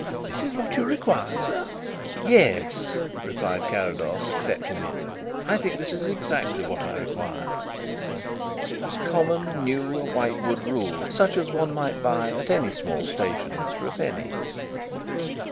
This is what you require, sir?" "Yes," replied Carrados, accepting it, "I think this is exactly what I require." It was a common new white wood rule, such as one might buy at any small stationer's for a penny.